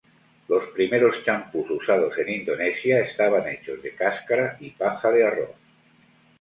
Los primeros champús usados en Indonesia estaban hechos de cáscara y paja de arroz.